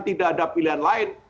tidak ada pilihan lain